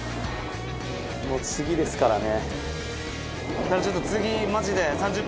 もう次ですからね。